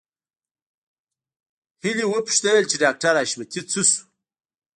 هيلې وپوښتل چې ډاکټر حشمتي څه شو